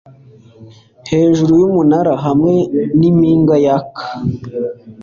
hejuru yumunara hamwe nimpinga yaka